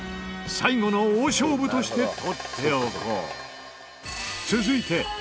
最後の大勝負として取っておこう。